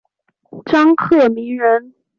张鹤鸣人。